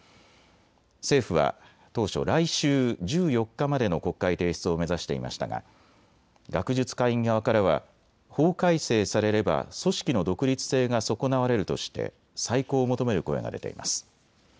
政府は当初、来週１４日までの国会提出を目指していましたが学術会議側からは法改正されれば組織の独立性が損なわれるとして再考を求める声が出ています。